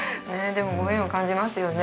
でもご縁を感じますよね